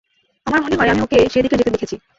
আমার মনে হয়, আমি ওকে সেদিকে যেতে দেখেছি।